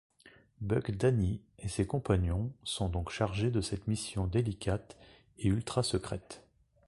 Buck Danny et ses compagnons sont donc chargés de cette mission délicate et ultra-secrète.